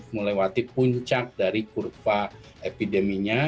melewati puncak dari kurva epideminya